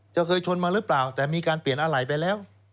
จะเคยชนมาหรือเปล่าแต่มีการเปลี่ยนอะไรไปแล้ว